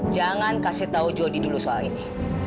jangan kasih tahu jody dulu soal ini